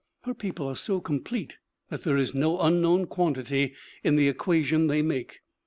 Her people are so complete that there is no unknown quantity in the equation they make.